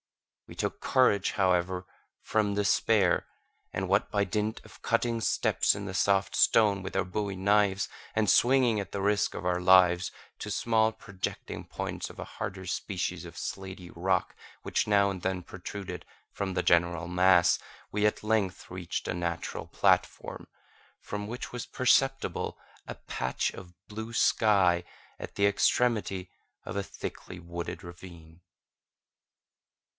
We took courage, however, from despair, and what, by dint of cutting steps in the soft stone with our bowie knives, and swinging at the risk of our lives, to small projecting points of a harder species of slaty rock which now and then protruded from the general mass, we at length reached a natural platform, from which was perceptible a patch of blue sky, at the extremity of a thickly wooded ravine.